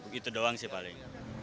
begitu doang sih paling